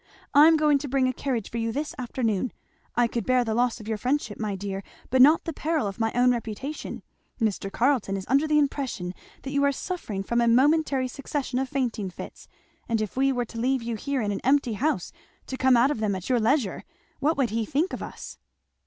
"I'm going to bring a carriage for you this afternoon. I could bear the loss of your friendship, my dear, but not the peril of my own reputation. Mr. Carleton is under the impression that you are suffering from a momentary succession of fainting fits, and if we were to leave you here in an empty house to come out of them at your leisure, what would he think of us?"